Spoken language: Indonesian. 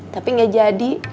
tapi gak jadi